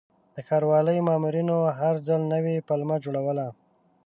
د ښاروالۍ مامورینو هر ځل نوې پلمه جوړوله.